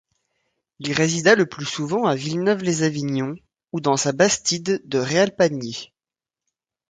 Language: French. Il résida le plus souvent à Villeneuve-lès-Avignon ou dans sa bastide de Réalpanier.